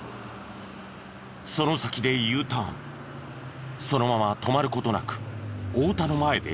その先でＵターンそのまま止まる事なく太田の前で加速。